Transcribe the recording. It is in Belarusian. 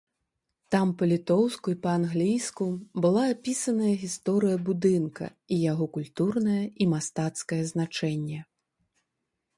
Там па-літоўску і па-англійску была апісаная гісторыя будынка і яго культурнае і мастацкае значэнне.